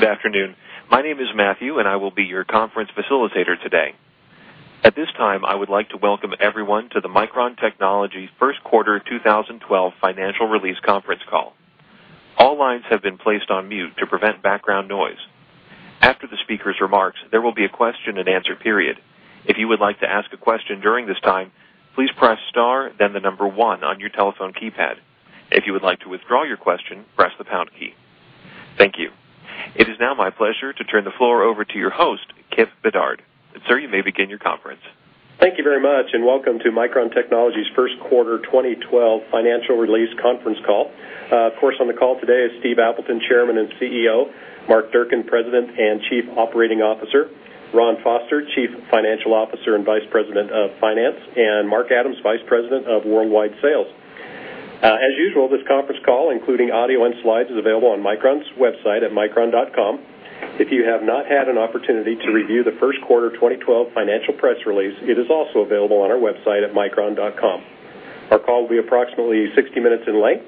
Good afternoon. My name is Matthew, and I will be your conference facilitator today. At this time, I would like to welcome everyone to the Micron Technology First Quarter 2012 Financial Release Conference Call. All lines have been placed on mute to prevent background noise. After the speaker's remarks, there will be a question and answer period. If you would like to ask a question during this time, please press star, then the number one on your telephone keypad. If you would like to withdraw your question, press the pound key. Thank you. It is now my pleasure to turn the floor over to your host, Kipp Bedard. Sir, you may begin your conference. Thank you very much, and welcome to Micron Technology's First Quarter 2012 Financial Release Conference Call. Of course, on the call today is Steve Appleton, Chairman and CEO, Mark Durcan, President and Chief Operating Officer, Ron Foster, Chief Financial Officer and Vice President of Finance, and Mark Adams, Vice President of Worldwide Sales. As usual, this conference call, including audio and slides, is available on Micron's website at micron.com. If you have not had an opportunity to review the first quarter 2012 financial press release, it is also available on our website at micron.com. Our call will be approximately 60 minutes in length.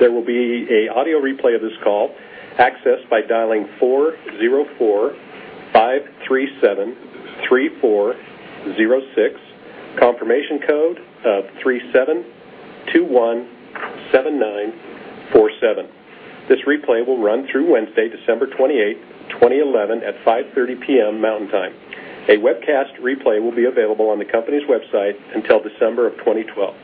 There will be an audio replay of this call accessed by dialing 404-537-3406, confirmation code 3721-7947. This replay will run through Wednesday, December 28, 2011, at 5:30 P.M. Mountain Time. A webcast replay will be available on the company's website until December of 2012.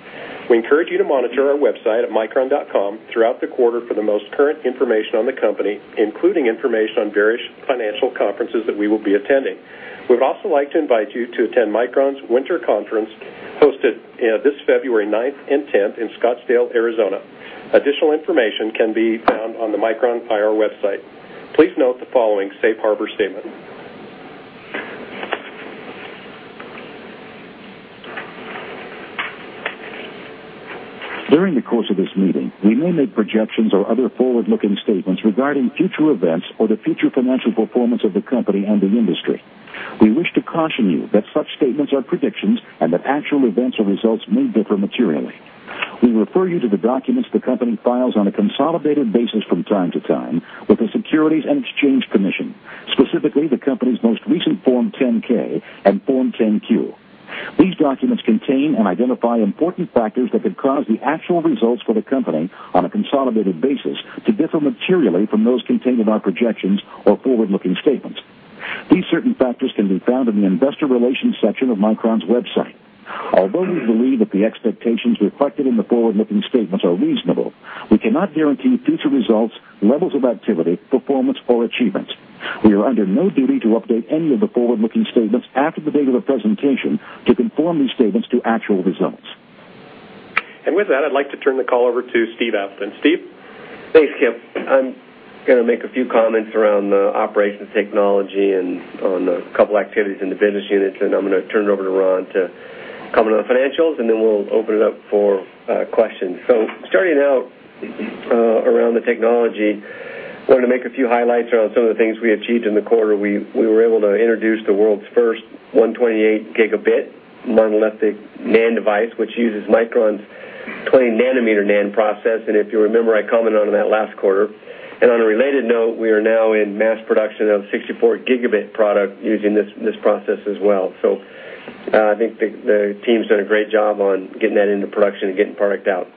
We encourage you to monitor our website at micron.com throughout the quarter for the most current information on the company, including information on various financial conferences that we will be attending. We would also like to invite you to attend Micron's winter conference hosted this February 9 and February 10 in Scottsdale, Arizona. Additional information can be found on the Micron IR website. Please note the following safe harbor statement. During the course of this meeting, we may make projections or other forward-looking statements regarding future events or the future financial performance of the company and the industry. We wish to caution you that such statements are predictions and that actual events or results may differ materially. We refer you to the documents the company files on a consolidated basis from time to time with the Securities and Exchange Commission, specifically the company's most recent Form 10-K and Form 10-Q. These documents contain and identify important factors that can cause the actual results for the company on a consolidated basis to differ materially from those contained in our projections or forward-looking statements. These certain factors can be found in the investor relations section of Micron's website. Although we believe that the expectations reflected in the forward-looking statements are reasonable, we cannot guarantee future results, levels of activity, performance, or achievements. We are under no duty to update any of the forward-looking statements after the date of the presentation to conform these statements to actual results. With that, I'd like to turn the call over to Steve Appleton. Steve? Thanks, Kipp. I'm going to make a few comments around the operations technology and on a couple of activities in the business units, and I'm going to turn it over to Ron to comment on the financials, then we'll open it up for questions. Starting out around the technology, I wanted to make a few highlights around some of the things we achieved in the quarter. We were able to introduce the world's first 128 Gb monolithic NAND device, which uses Micron's 20 nm NAND process. If you remember, I commented on that last quarter. On a related note, we are now in mass production of a 64 Gb product using this process as well. I think the team's done a great job on getting that into production and getting product out.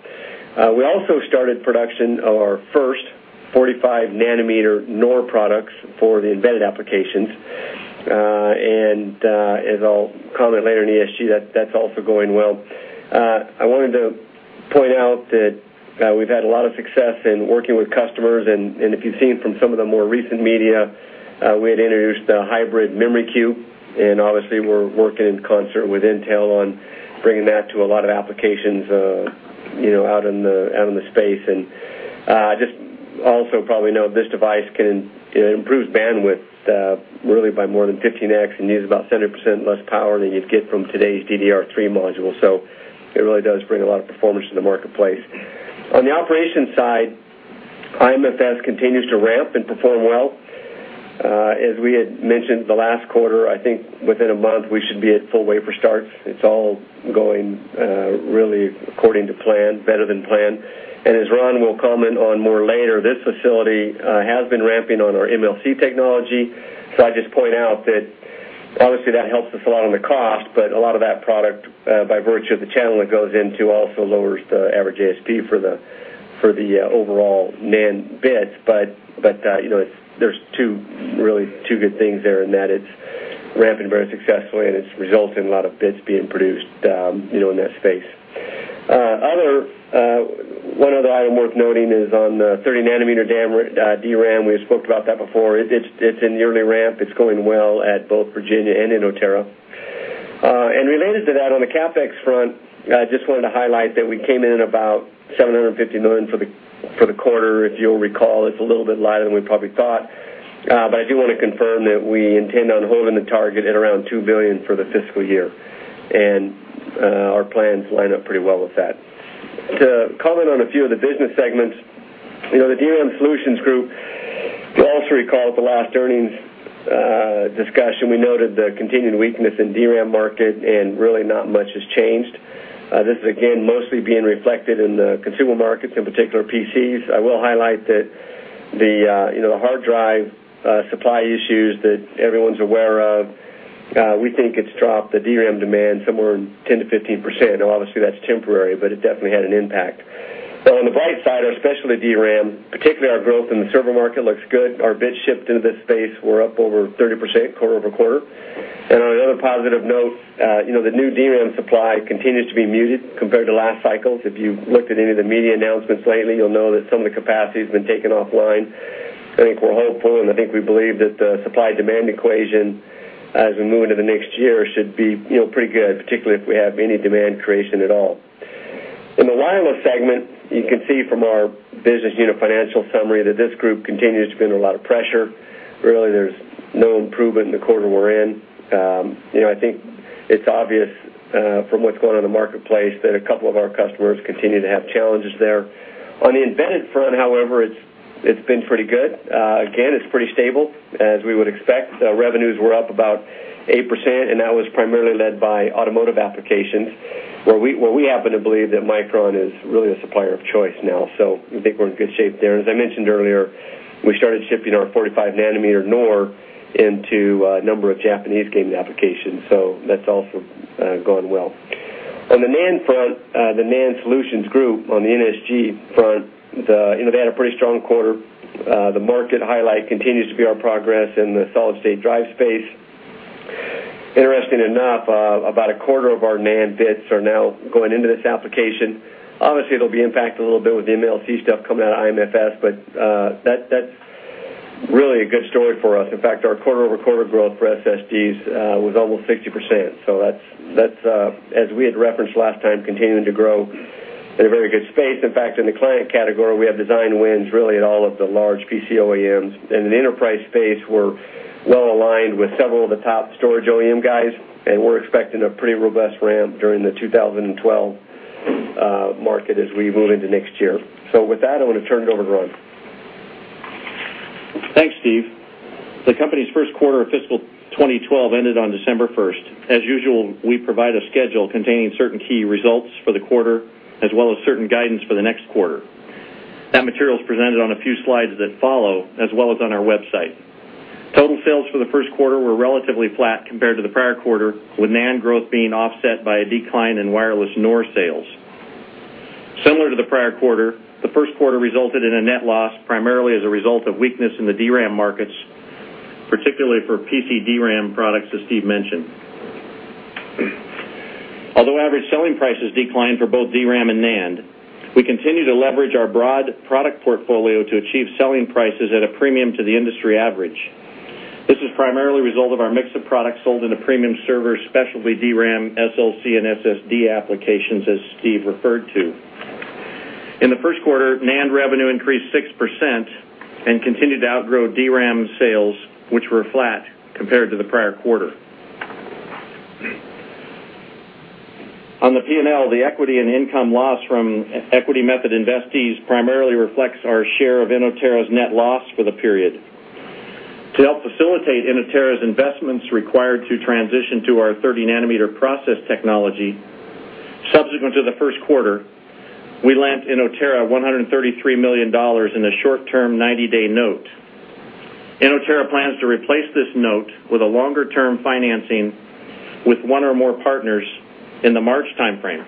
We also started production of our first 45 nm NOR products for the embedded applications. As I'll comment later in ESG, that's also going well. I wanted to point out that we've had a lot of success in working with customers, and if you've seen from some of the more recent media, we had introduced the Hybrid Memory Cube, and obviously we're working in concert with Intel on bringing that to a lot of applications out in the space. You probably know this device can improve bandwidth really by more than 15X and use about 70% less power than you'd get from today's DDR3 module. It really does bring a lot of performance to the marketplace. On the operations side, IMFS continues to ramp and perform well. As we had mentioned the last quarter, I think within a month we should be at full wafer starts. It's all going really according to plan, better than planned. As Ron will comment on more later, this facility has been ramping on our MLC technology. I just point out that obviously that helps us a lot on the cost, but a lot of that product, by virtue of the channel it goes into, also lowers the average ASP for the overall NAND bits. There are two really good things there in that it's ramping very successfully, and it's resulted in a lot of bits being produced in that space. One other item worth noting is on the 30-nanometer DRAM. We spoke about that before. It's in the early ramp. It's going well at both Virginia and Inotera. Related to that, on the CapEx front, I just wanted to highlight that we came in at about $750 million for the quarter. If you'll recall, it's a little bit lighter than we probably thought. I do want to confirm that we intend on holding the target at around $2 billion for the fiscal year, and our plans line up pretty well with that. To comment on a few of the business segments, the DRAM Solutions Group, you'll also recall at the last earnings discussion we noted the continued weakness in the DRAM market, and really not much has changed. This is again mostly being reflected in the consumer markets, in particular PCs. I will highlight that the hard drive supply issues that everyone's aware of, we think it's dropped the DRAM demand somewhere in 10%-15%. Obviously that's temporary, but it definitely had an impact. On the bright side, especially the DRAM, particularly our growth in the server market looks good. Our bits shipped into this space. We're up over 30% quarter over quarter. On another positive note, the new DRAM supply continues to be muted compared to last cycle. If you looked at any of the media announcements lately, you'll know that some of the capacity has been taken offline. I think we're hopeful, and I think we believe that the supply-demand equation as we move into the next year should be pretty good, particularly if we have any demand creation at all. In the wireless segment, you can see from our business unit financial summary that this group continues to be under a lot of pressure. There's no improvement in the quarter we're in. I think it's obvious from what's going on in the marketplace that a couple of our customers continue to have challenges there. On the embedded front, however, it's been pretty good. It's pretty stable, as we would expect. Revenues were up about 8%, and that was primarily led by automotive applications, where we happen to believe that Micron Technology is really a supplier of choice now. I think we're in good shape there. As I mentioned earlier, we started shipping our 45 nm NOR into a number of Japanese-game applications. That's also gone well. On the NAND front, the NAND Solutions Group on the NSG front, they had a pretty strong quarter. The market highlight continues to be our progress in the solid-state drive space. Interestingly enough, about a quarter of our NAND bits are now going into this application. Obviously, it'll be impacted a little bit with the MLC stuff coming out of Singapore IM Flash Singapore (IMFS), but that's really a good story for us. In fact, our quarter-over-quarter growth for SSDs was almost 60%. As we had referenced last time, continuing to grow in a very good space. In fact, in the client category, we have design wins really in all of the large PC OEMs. In the enterprise space, we're well aligned with several of the top storage OEM guys, and we're expecting a pretty robust ramp during the 2012 market as we move into next year. With that, I want to turn it over to Ron. Thanks, Steve. The company's first quarter of fiscal 2012 ended on December 1. As usual, we provide a schedule containing certain key results for the quarter, as well as certain guidance for the next quarter. That material is presented on a few slides that follow, as well as on our website. Total sales for the first quarter were relatively flat compared to the prior quarter, with NAND growth being offset by a decline in wireless NOR sales. Similar to the prior quarter, the first quarter resulted in a net loss primarily as a result of weakness in the DRAM markets, particularly for PC DRAM products as Steve mentioned. Although average selling prices declined for both DRAM and NAND, we continue to leverage our broad product portfolio to achieve selling prices at a premium to the industry average. This is primarily a result of our mix of products sold in the premium server, specialty DRAM, SLC, and SSD applications, as Steve referred to. In the first quarter, NAND revenue increased 6% and continued to outgrow DRAM sales, which were flat compared to the prior quarter. On the P&L, the equity and income loss from equity method investees primarily reflects our share of Inotera's net loss for the period. To help facilitate Inotera's investments required to transition to our 30 nm process technology, subsequent to the first quarter, we lent Inotera $133 million in a short-term 90-day note. Inotera plans to replace this note with a longer-term financing with one or more partners in the March timeframe.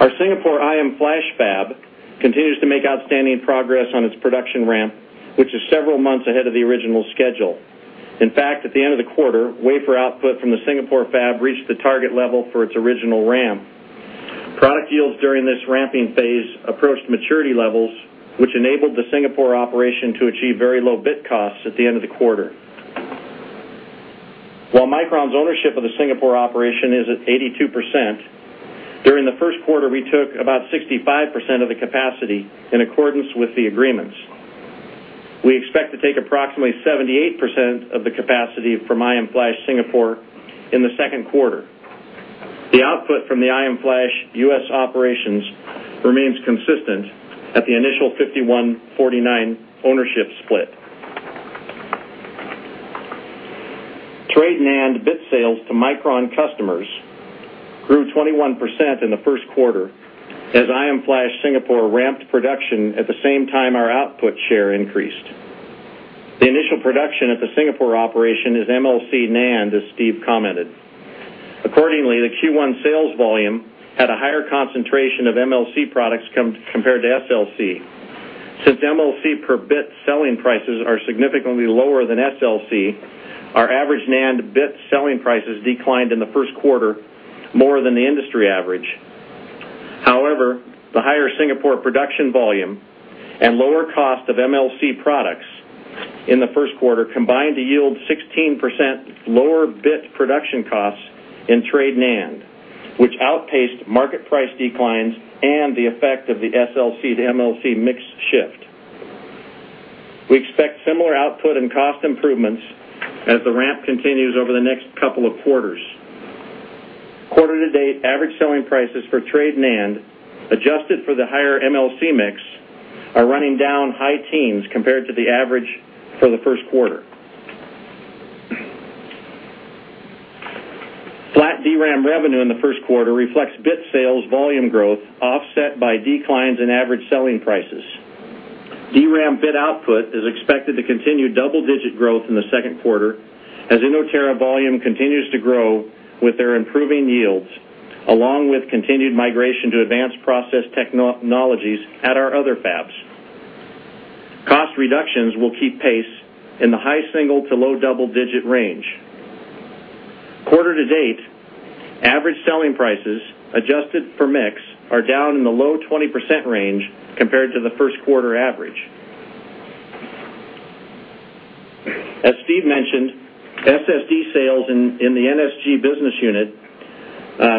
Our Singapore IM Flash fab continues to make outstanding progress on its production ramp, which is several months ahead of the original schedule. In fact, at the end of the quarter, wafer output from the Singapore fab reached the target level for its original ramp. Product yields during this ramping phase approached maturity levels, which enabled the Singapore operation to achieve very low bit costs at the end of the quarter. While Micron's ownership of the Singapore operation is at 82%, during the first quarter, we took about 65% of the capacity in accordance with the agreements. We expect to take approximately 78% of the capacity from IM Flash Singapore in the second quarter. The output from the IM Flash U.S. operations remains consistent at the initial 51.49% ownership split. Trade NAND bit sales to Micron customers grew 21% in the first quarter as IM Flash Singapore ramped production at the same time our output share increased. The initial production at the Singapore operation is MLC NAND, as Steve commented. Accordingly, the Q1 sales volume had a higher concentration of MLC products compared to SLC. Since MLC per bit selling prices are significantly lower than SLC, our average NAND bit selling prices declined in the first quarter more than the industry average. However, the higher Singapore production volume and lower cost of MLC products in the first quarter combined to yield 16% lower bit production costs in trade NAND, which outpaced market price declines and the effect of the SLC to MLC mix shift. We expect similar output and cost improvements as the ramp continues over the next couple of quarters. Quarter to date, average selling prices for trade NAND adjusted for the higher MLC mix are running down high teens compared to the average for the first quarter. Flat DRAM revenue in the first quarter reflects bit sales volume growth offset by declines in average selling prices. DRAM bit output is expected to continue double-digit growth in the second quarter as Inotera volume continues to grow with their improving yields, along with continued migration to advanced process technologies at our other fabs. Cost reductions will keep pace in the high single to low double-digit range. Quarter to date, average selling prices adjusted for mix are down in the low 20% range compared to the first quarter average. As Steve mentioned, SSD sales in the NSG business unit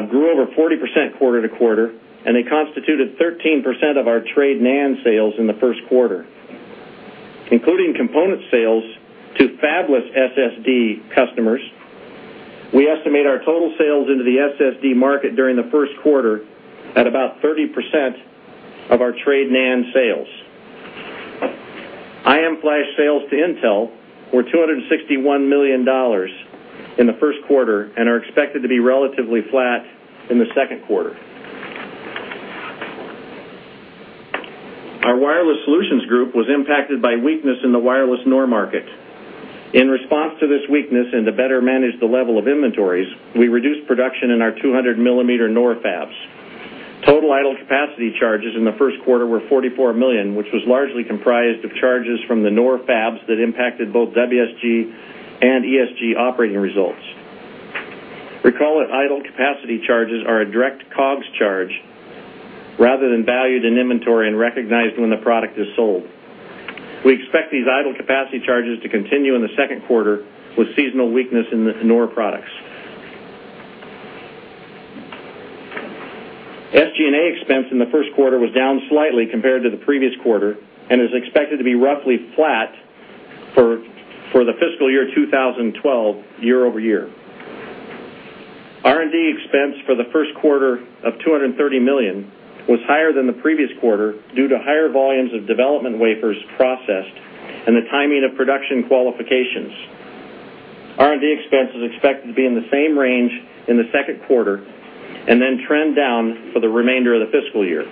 grew over 40% quarter to quarter, and they constituted 13% of our trade NAND sales in the first quarter. Including component sales to fabless SSD customers, we estimate our total sales into the SSD market during the first quarter at about 30% of our trade NAND sales. IM Flash sales to Intel were $261 million in the first quarter and are expected to be relatively flat in the second quarter. Our wireless solutions group was impacted by weakness in the wireless NOR market. In response to this weakness and to better manage the level of inventories, we reduced production in our 200-millimeter NOR fabs. Total idle capacity charges in the first quarter were $44 million, which was largely comprised of charges from the NOR fabs that impacted both WSG and ESG operating results. Recall that idle capacity charges are a direct COGS charge rather than valued in inventory and recognized when the product is sold. We expect these idle capacity charges to continue in the second quarter with seasonal weakness in the NOR products. SG&A expense in the first quarter was down slightly compared to the previous quarter and is expected to be roughly flat for the fiscal year 2012, year over year. R&D expense for the first quarter of $230 million was higher than the previous quarter due to higher volumes of development wafers processed and the timing of production qualifications. R&D expense is expected to be in the same range in the second quarter and then trend down for the remainder of the fiscal year.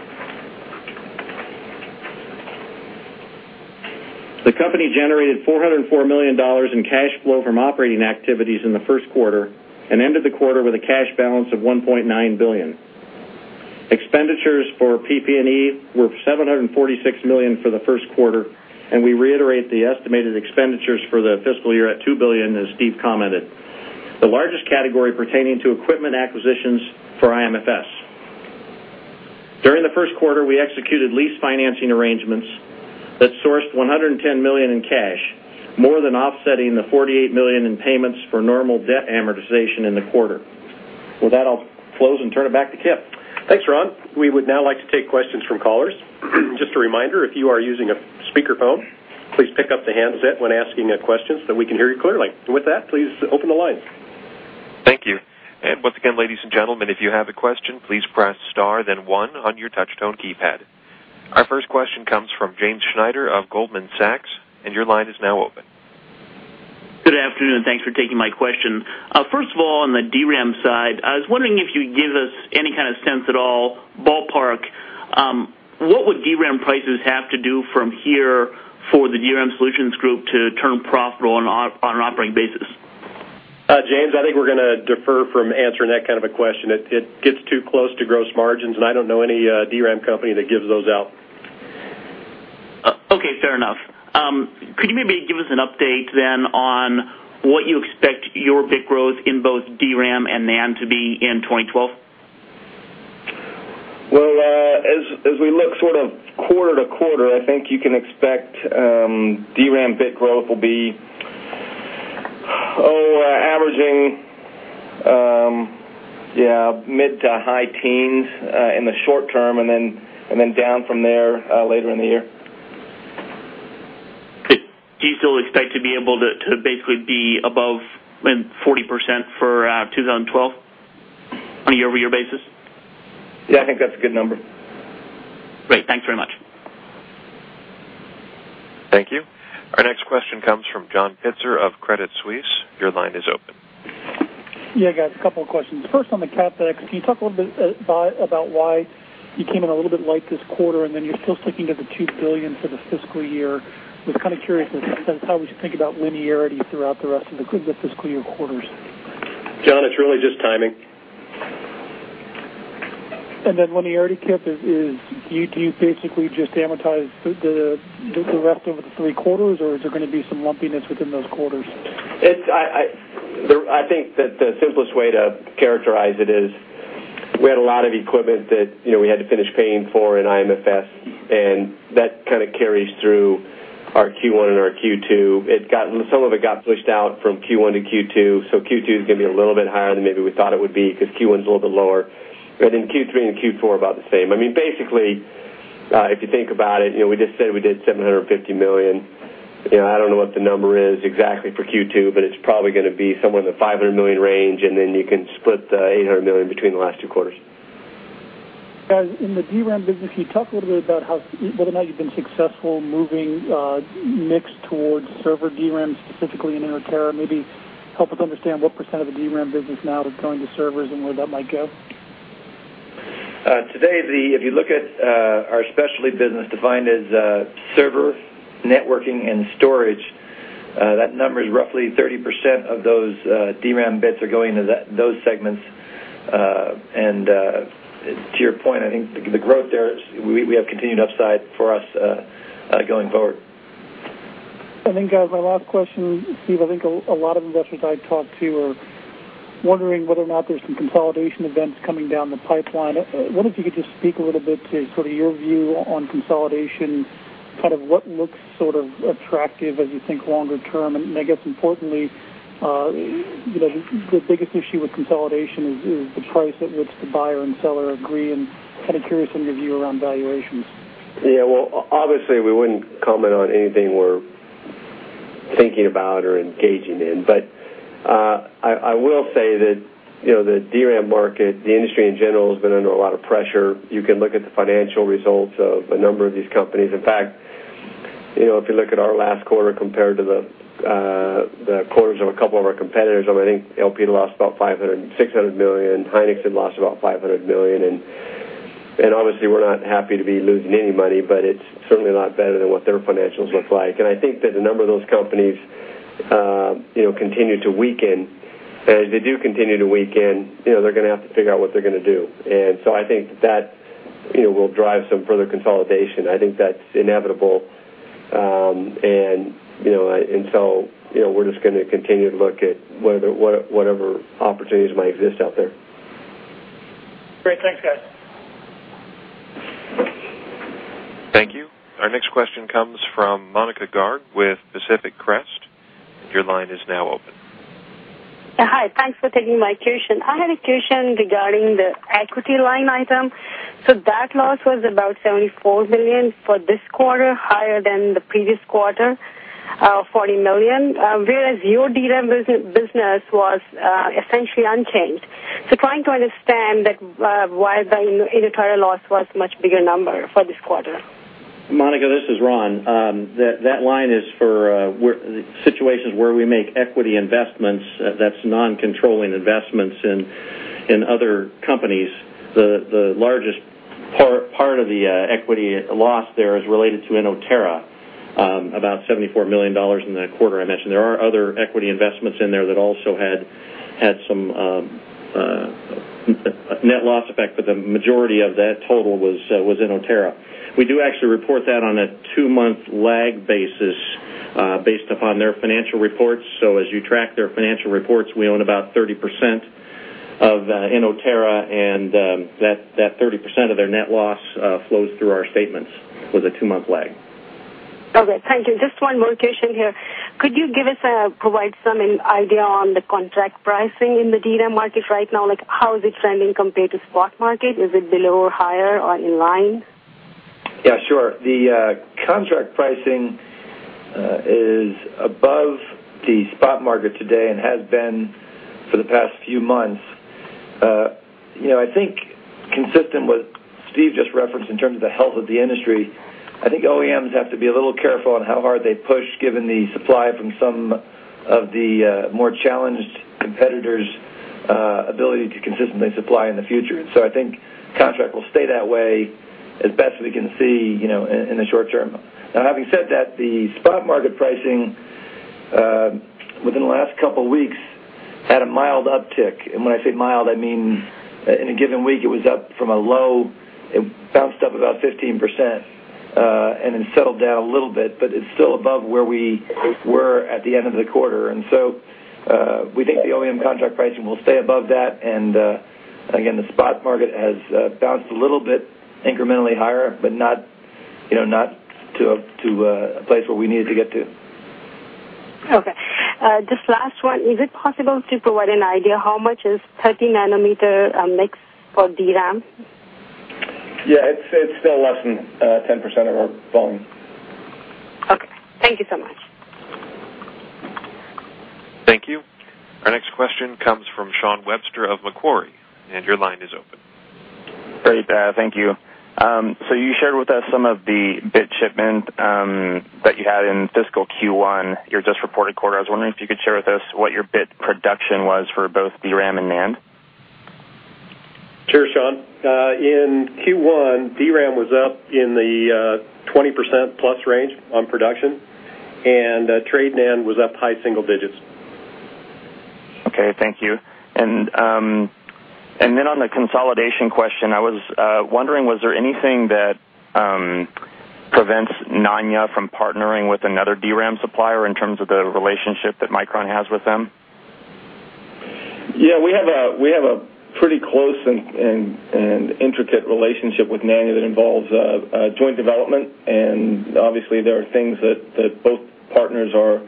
The company generated $404 million in cash flow from operating activities in the first quarter and ended the quarter with a cash balance of $1.9 billion. Expenditures for PP&E were $746 million for the first quarter, and we reiterate the estimated expenditures for the fiscal year at $2 billion, as Steve commented. The largest category pertaining to equipment acquisitions for IMFS. During the first quarter, we executed lease financing arrangements that sourced $110 million in cash, more than offsetting the $48 million in payments for normal debt amortization in the quarter. With that, I'll close and turn it back to Kipp. Thanks, Ron. We would now like to take questions from callers. Just a reminder, if you are using a speaker phone, please pick up the handset when asking a question so that we can hear you clearly. With that, please open the line. Thank you. Once again, ladies and gentlemen, if you have a question, please press star, then one on your touch-tone keypad. Our first question comes from James Schneider of Goldman Sachs, and your line is now open. Good afternoon, and thanks for taking my question. First of all, on the DRAM side, I was wondering if you could give us any kind of sense at all, ballpark, what would DRAM prices have to do from here for the DRAM Solutions Group to turn profitable on an operating basis? James, I think we're going to defer from answering that kind of a question. It gets too close to gross margins, and I don't know any DRAM company that gives those out. Okay, fair enough. Could you maybe give us an update then on what you expect your bit growth in both DRAM and NAND to be in 2012? As we look sort of quarter to quarter, I think you can expect DRAM bit growth will be averaging mid to high teens in the short term, and then down from there later in the year. Do you still expect to be able to basically be above 40% for 2012 on a year-over-year basis? Yeah, I think that's a good number. Great, thanks very much. Thank you. Our next question comes from John Pitzer of Credit Suisse. Your line is open. Yeah, guys, a couple of questions. First, on the CapEx, can you talk a little bit about why you came in a little bit light this quarter, and then you're still sticking at the $2 billion for the fiscal year? I was kind of curious as to how we should think about linearity throughout the rest of the fiscal year quarters. John, it's really just timing. Linearity, Kipp, is you basically just amortized the leftover the three quarters, or is there going to be some lumpiness within those quarters? I think that the simplest way to characterize it is we had a lot of equipment that, you know, we had to finish paying for in IMFS, and that kind of carries through our Q1 and our Q2. Some of it got pushed out from Q1 to Q2. Q2 is going to be a little bit higher than maybe we thought it would be because Q1's a little bit lower. Q3 and Q4 are about the same. Basically, if you think about it, you know, we just said we did $750 million. I don't know what the number is exactly for Q2, but it's probably going to be somewhere in the $500 million range, and then you can split the $800 million between the last two quarters. In the DRAM business, can you talk a little bit about how, whether or not you've been successful moving mix towards server DRAM, specifically in Inotera, maybe help us understand what percentage of the DRAM business now is going to servers and where that might go? Today, if you look at our specialty business defined as server, networking, and storage, that number is roughly 30% of those DRAM bits are going into those segments. To your point, I think the growth there, we have continued upside for us going forward. I think my last question, Steve, I think a lot of investors I talk to are wondering whether or not there's some consolidation events coming down the pipeline. If you could just speak a little bit to sort of your view on consolidation, kind of what looks sort of attractive as you think longer term. I guess importantly, you know, the biggest issue with consolidation is the price at which the buyer and seller agree, and kind of curious in your view around valuations. Obviously, we wouldn't comment on anything we're thinking about or engaging in. I will say that the DRAM market, the industry in general, has been under a lot of pressure. You can look at the financial results of a number of these companies. In fact, if you look at our last quarter compared to the quarters of a couple of our competitors, I think LP lost about $500 million, $600 million, Hynix had lost about $500 million. Honestly, we're not happy to be losing any money, but it's certainly a lot better than what their financials look like. I think that a number of those companies continue to weaken. As they do continue to weaken, they're going to have to figure out what they're going to do. I think that will drive some further consolidation. I think that's inevitable. We're just going to continue to look at whatever opportunities might exist out there. Great, thanks, guys. Thank you. Our next question comes from Monica Gard with Pacific Crest, and your line is now open. Hi, thanks for taking my question. I had a question regarding the equity line item. That loss was about $74 million for this quarter, higher than the previous quarter, $40 million, whereas your DRAM business was essentially unchanged. I'm trying to understand why the Inotera loss was a much bigger number for this quarter. Monica, this is Ron. That line is for situations where we make equity investments, that's non-controlling investments in other companies. The largest part of the equity loss there is related to Inotera, about $74 million in the quarter I mentioned. There are other equity investments in there that also had some net loss effect, but the majority of that total was Inotera. We do actually report that on a two-month lag basis based upon their financial reports. As you track their financial reports, we own about 30% of Inotera, and that 30% of their net loss flows through our statements with a two-month lag. Okay, thank you. Just one more question here. Could you give us, provide some idea on the contract pricing in the DRAM market right now? Like, how is it trending compared to the spot market? Is it below or higher or in line? Yeah, sure. The contract pricing is above the spot market today and has been for the past few months. I think consistent with what Steve just referenced in terms of the health of the industry, I think OEMs have to be a little careful on how hard they push given the supply from some of the more challenged competitors' ability to consistently supply in the future. I think contract will stay that way as best we can see in the short term. Now, having said that, the spot market pricing within the last couple of weeks had a mild uptick. When I say mild, I mean in a given week it was up from a low and bounced up about 15% and then settled down a little bit, but it's still above where we were at the end of the quarter. We think the OEM contract pricing will stay above that. The spot market has bounced a little bit incrementally higher, but not to a place where we needed to get to. Okay. Just the last one, is it possible to provide an idea how much is 30 nm mix for DRAM? Yeah, it's still less than 10% of what's falling. Okay, thank you so much. Thank you. Our next question comes from Sean Webster of Macquarie, and your line is open. Great, thank you. You shared with us some of the bit shipment that you had in fiscal Q1, your just reported quarter. I was wondering if you could share with us what your bit production was for both DRAM and NAND. Sure, Sean. In Q1, DRAM was up in the 20%+ range on production, and trade NAND was up high single digits. Okay, thank you. On the consolidation question, I was wondering, was there anything that prevents NAND from partnering with another DRAM supplier in terms of the relationship that Micron has with them? Yeah, we have a pretty close and intricate relationship with NAND that involves joint development. Obviously, there are things that both partners are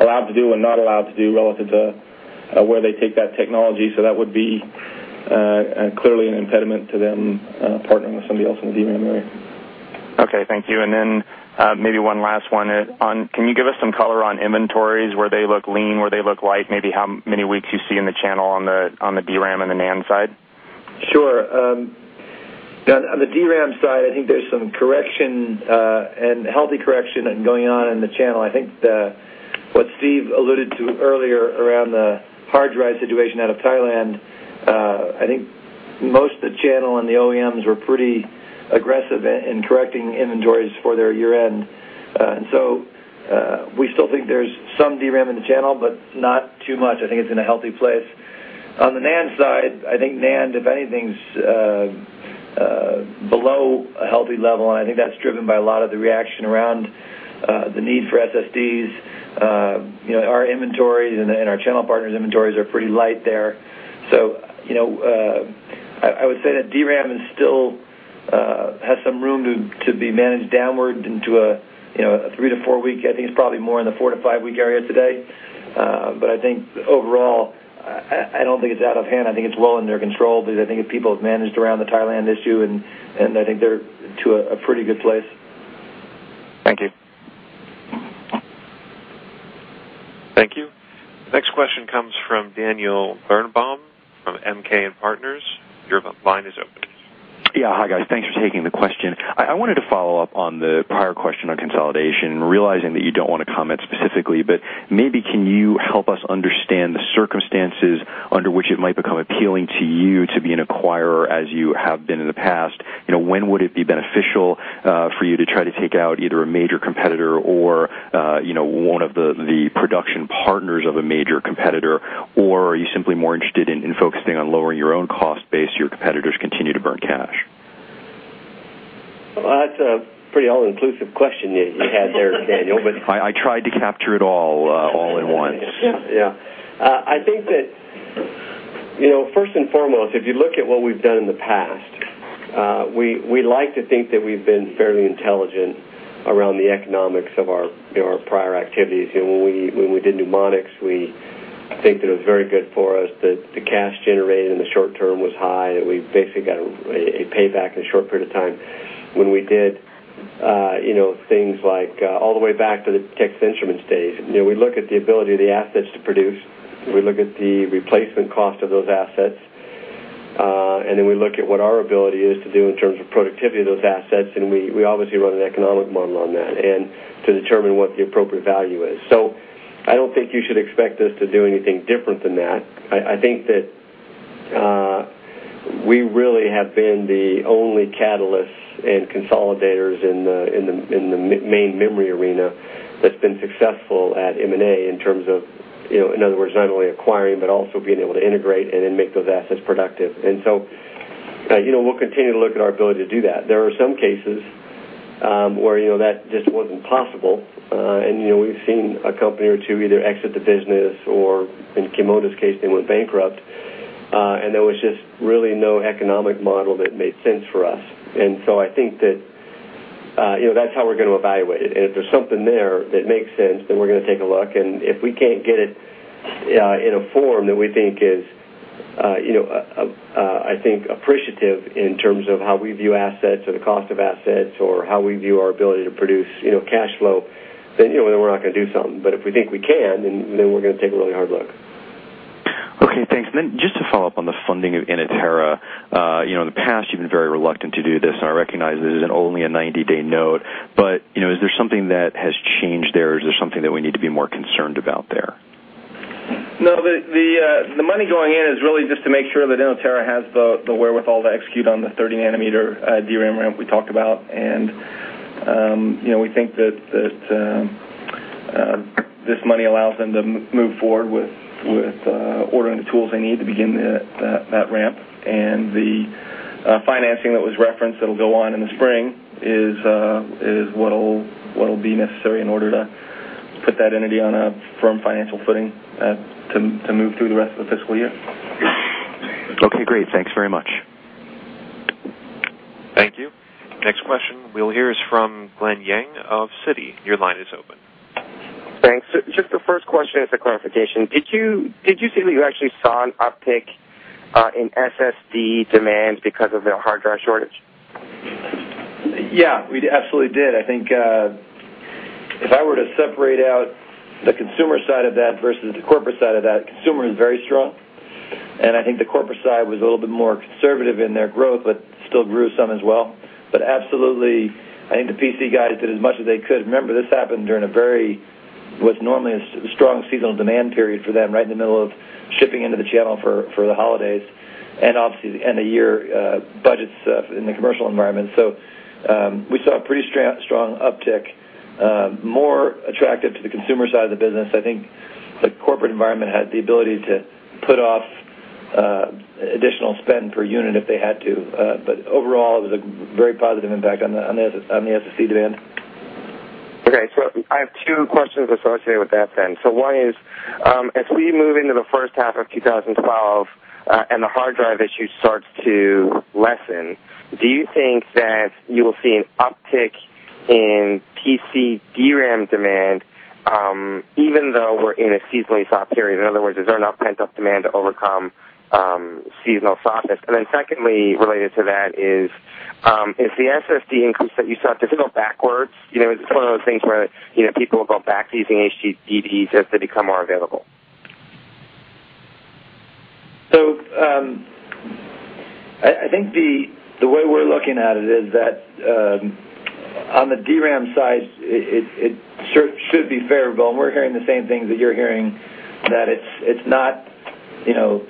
allowed to do and not allowed to do relative to where they take that technology. That would be clearly an impediment to them partnering with somebody else in the DRAM area. Okay, thank you. Maybe one last one. Can you give us some color on inventories, where they look lean, where they look light, maybe how many weeks you see in the channel on the DRAM and the NAND side? Sure. On the DRAM side, I think there's some correction and healthy correction going on in the channel. I think what Steve alluded to earlier around the hard drive situation out of Thailand, I think most of the channel and the OEMs were pretty aggressive in correcting inventories for their year-end. We still think there's some DRAM in the channel, but not too much. I think it's in a healthy place. On the NAND side, I think NAND, if anything, is below a healthy level. I think that's driven by a lot of the reaction around the need for SSDs. Our inventories and our channel partners' inventories are pretty light there. I would say that DRAM still has some room to be managed downward into a three to four week. I think it's probably more in the four to five week area today. Overall, I don't think it's out of hand. I think it's well in their control because I think people have managed around the Thailand issue, and I think they're to a pretty good place. Thank you. Thank you. The next question comes from Daniel Earnbaum from MK & Partners. Your line is open. Yeah, hi guys, thanks for taking the question. I wanted to follow up on the prior question on consolidation, realizing that you don't want to comment specifically, but maybe can you help us understand the circumstances under which it might become appealing to you to be an acquirer as you have been in the past? You know, when would it be beneficial for you to try to take out either a major competitor or, you know, one of the production partners of a major competitor, or are you simply more interested in focusing on lowering your own costs based on your competitors continuing to burn cash? That's a pretty all-inclusive question you had there, Daniel. I tried to capture it all in one. Yeah. I think that, you know, first and foremost, if you look at what we've done in the past, we like to think that we've been fairly intelligent around the economics of our prior activities. When we did Numonyx, we think that it was very good for us. The cash generated in the short term was high. We basically got a payback in a short period of time. When we did things like all the way back to the Texas Instruments days, we look at the ability of the assets to produce. We look at the replacement cost of those assets, and then we look at what our ability is to do in terms of productivity of those assets, and we obviously run an economic model on that to determine what the appropriate value is. I don't think you should expect us to do anything different than that. I think that we really have been the only catalysts and consolidators in the main memory arena that's been successful at M&A in terms of not only acquiring but also being able to integrate and then make those assets productive. We will continue to look at our ability to do that. There are some cases where that just wasn't possible. We've seen a company or two either exit the business or, in Qimonda's case, they went bankrupt, and there was just really no economic model that made sense for us. I think that that's how we're going to evaluate it. If there's something there that makes sense, then we're going to take a look. If we can't get it in a form that we think is, I think, appreciative in terms of how we view assets or the cost of assets or how we view our ability to produce cash flow, then we're not going to do something. If we think we can, then we're going to take a really hard look. Okay, thanks. Just to follow up on the funding of Inotera, you know, in the past, you've been very reluctant to do this. I recognize this is only a 90-day note, but, you know, is there something that has changed there? Is there something that we need to be more concerned about there? No, the money going in is really just to make sure that Inotera has the wherewithal to execute on the 30 nm DRAM ramp we talked about. We think that this money allows them to move forward with ordering the tools they need to begin that ramp. The financing that was referenced that'll go on in the spring is what'll be necessary in order to put that entity on a firm financial footing to move through the rest of the fiscal year. Okay, great. Thanks very much. Thank you. Next question we'll hear is from Glen Yeung of Citi. Your line is open. Thanks. Just the first question is a clarification. Did you say that you actually saw an uptick in SSD demand because of the hard drive shortage? Yeah, we absolutely did. I think if I were to separate out the consumer side of that versus the corporate side of that, consumer is very strong. I think the corporate side was a little bit more conservative in their growth, but still grew some as well. Absolutely, I think the PC guys did as much as they could. Remember, this happened during a very, what's normally a strong seasonal demand period for them, right in the middle of shipping into the channel for the holidays. Obviously, the end of the year, budgets in the commercial environment. We saw a pretty strong uptick, more attractive to the consumer side of the business. I think the corporate environment had the ability to put off additional spend per unit if they had to. Overall, it was a very positive impact on the SSD demand. Okay, I have two questions associated with that. One is, as we move into the first half of 2012 and the hard drive issue starts to lessen, do you think that you will see an uptick in PC DRAM demand even though we're in a seasonally soft period? In other words, is there enough kind of demand to overcome seasonal softness? Secondly, related to that, is the SSD increase that you saw, does it go backwards? Is this one of those things where people will go back to using HDDs as they become more available? I think the way we're looking at it is that on the DRAM side, it should be fair to go. We're hearing the same things that you're hearing, that it's not, you know,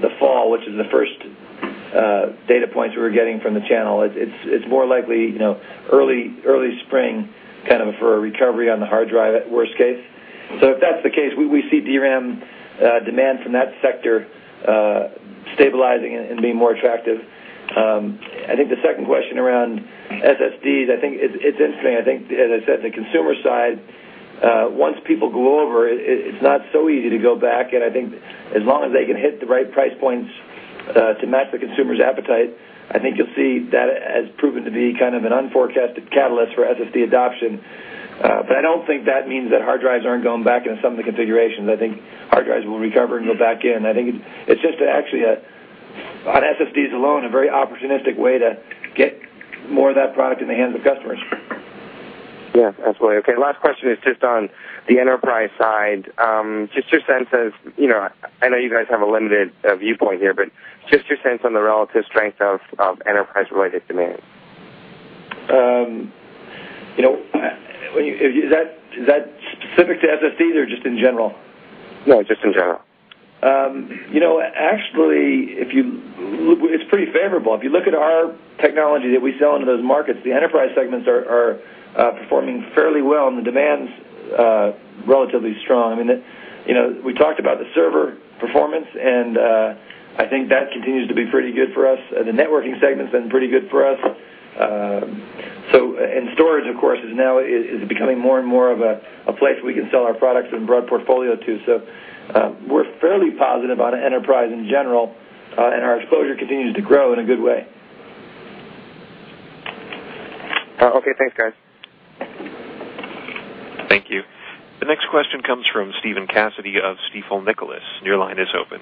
the fall, which is the first data points we're getting from the channel. It's more likely, you know, early spring kind of for a recovery on the hard drive at worst case. If that's the case, we see DRAM demand from that sector stabilizing and being more attractive. I think the second question around SSDs, I think it's interesting. I think, as I said, the consumer side, once people go over it, it's not so easy to go back. I think as long as they can hit the right price points to match the consumer's appetite, you'll see that as proven to be kind of an unforecasted catalyst for SSD adoption. I don't think that means that hard drives aren't going back into some of the configurations. I think hard drives will recover and go back in. I think it's just actually on SSDs alone, a very opportunistic way to get more of that product in the hands of customers. Yeah, absolutely. Okay, last question is just on the enterprise side. Just your sense of, you know, I know you guys have a limited viewpoint here, but just your sense on the relative strength of enterprise-related demand. You know, is that specific to SSDs or just in general? No, just in general. If you look, it's pretty favorable. If you look at our technology that we sell into those markets, the enterprise segments are performing fairly well and the demand's relatively strong. I mean, we talked about the server performance, and I think that continues to be pretty good for us. The networking segment's been pretty good for us. Storage, of course, is now becoming more and more of a place where we can sell our products and broad portfolio to. We're fairly positive on enterprise in general, and our exposure continues to grow in a good way. Okay, thanks, guys. Thank you. The next question comes from Stephen Pawlowski of Stifel Nicolaus. Your line is open.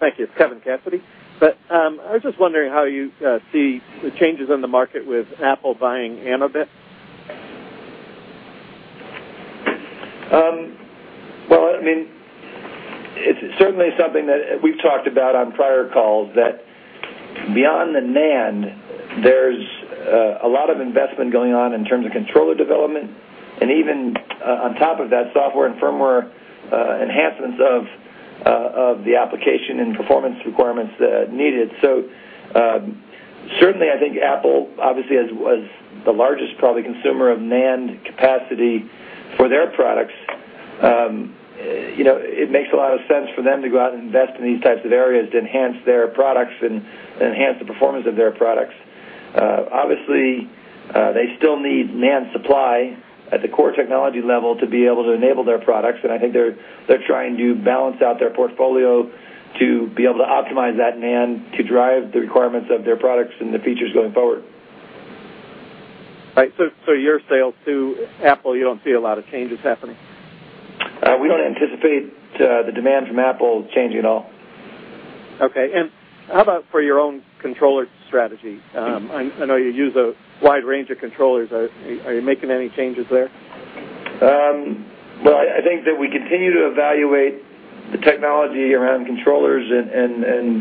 Thank you. It's Kevin Cassidy. I was just wondering how you see the changes in the market with Apple buying Anubis. It is certainly something that we've talked about on prior calls that beyond the NAND, there's a lot of investment going on in terms of controller development and even on top of that, software and firmware enhancements of the application and performance requirements needed. I think Apple obviously is the largest probably consumer of NAND capacity for their products. It makes a lot of sense for them to go out and invest in these types of areas to enhance their products and enhance the performance of their products. Obviously, they still need NAND supply at the core technology level to be able to enable their products. I think they're trying to balance out their portfolio to be able to optimize that NAND to drive the requirements of their products and the features going forward. Right. Your sales to Apple, you don't see a lot of changes happening? We don't anticipate the demand from Apple changing at all. Okay. How about for your own controller strategy? I know you use a wide range of controllers. Are you making any changes there? I think that we continue to evaluate the technology around controllers and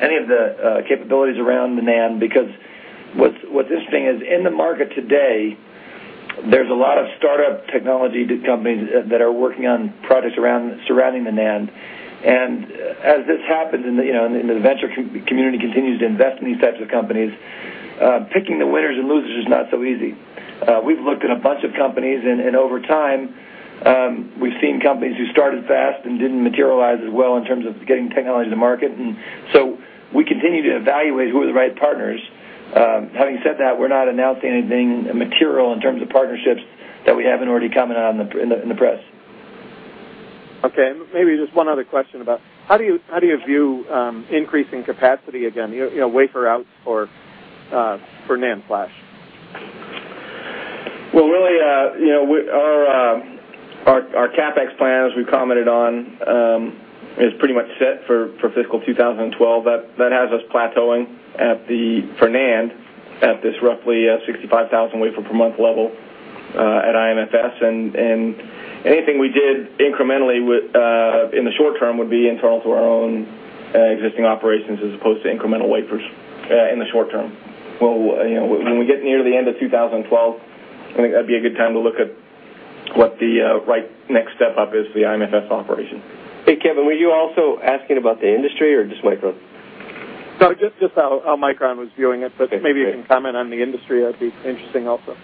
any of the capabilities around the NAND because what's interesting is in the market today, there's a lot of startup technology companies that are working on projects surrounding the NAND. As this happens and the venture community continues to invest in these types of companies, picking the winners and losers is not so easy. We've looked at a bunch of companies, and over time, we've seen companies who started fast and didn't materialize as well in terms of getting technology to market. We continue to evaluate who are the right partners. Having said that, we're not announcing anything material in terms of partnerships that we haven't already commented on in the press. Okay. Maybe just one other question about how do you view increasing capacity again, you know, wafer output for NAND flash? Our CapEx plan, as we commented on, is pretty much set for fiscal 2012. That has us plateauing for NAND at this roughly 65,000 wafer per month level at IMFS. Anything we did incrementally in the short term would be internal to our own existing operations as opposed to incremental wafers in the short term. When we get near the end of 2012, I think that'd be a good time to look at what the right next step up is for the IMFS operation. Hey, Kevin, were you also asking about the industry or just Micron? No, just how Micron was viewing it, but maybe you can comment on the industry. That'd be interesting also.